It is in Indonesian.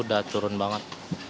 ya turun banget